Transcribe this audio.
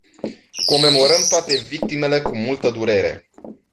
Comemorăm toate victimele cu multă durere.